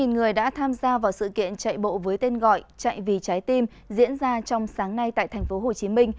một mươi người đã tham gia vào sự kiện chạy bộ với tên gọi chạy vì trái tim diễn ra trong sáng nay tại tp hcm